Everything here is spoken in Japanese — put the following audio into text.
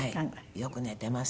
よく寝てます。